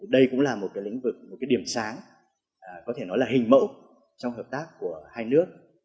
đây cũng là một lĩnh vực một điểm sáng có thể nói là hình mẫu trong hợp tác của hai nước